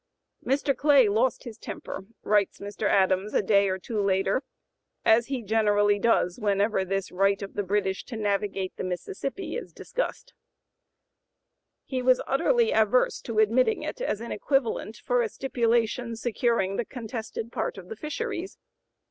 "Mr. Clay lost his temper," writes Mr. Adams a day or two later, (p. 089) "as he generally does whenever this right of the British to navigate the Mississippi is discussed. He was utterly averse to admitting it as an equivalent for a stipulation securing the contested part of the fisheries.